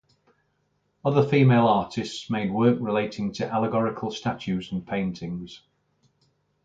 Other female artists made work relating to allegorical statues and paintings.